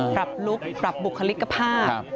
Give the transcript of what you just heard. ลุคปรับบุคลิกภาพ